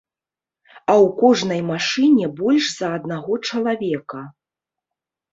А ў кожнай машыне больш за аднаго чалавека!